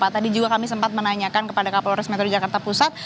tadi juga kami sempat menanyakan kepada kapolres metro jakarta pusat